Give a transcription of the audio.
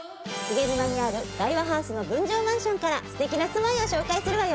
沼にある大和ハウスの分譲マンションから素敵な住まいを紹介するわよ！